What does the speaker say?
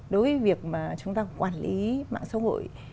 đối với việc quản lý mạng xã hội